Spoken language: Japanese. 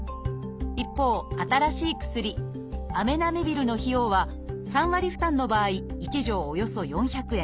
一方新しい薬「アメナメビル」の費用は３割負担の場合１錠およそ４００円。